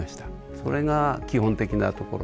それが基本的なところですね。